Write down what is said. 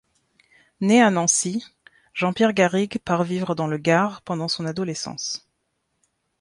Né à Nancy, Jean-Pierre Garrigues part vivre dans le Gard pendant son adolescence.